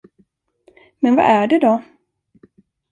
Men vad är det då?